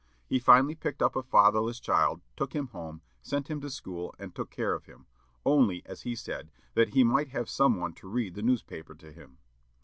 He finally picked up a fatherless child, took him home, sent him to school, and took care of him, only, as he said, that he might have some one to read the newspaper to him.